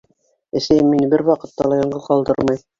Әсәйем мине бер ваҡытта ла яңғыҙ ҡалдырмай.